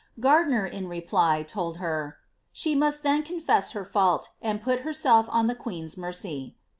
"^ Gardiner, in reply, told her " she must then confess her fault, and put herself on the queen's mercy."